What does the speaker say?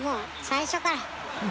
最初から。